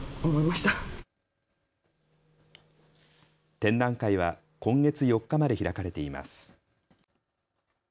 展覧会は今月４日まで開かれています。